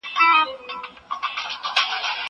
زه کولای سم موسيقي اورم!!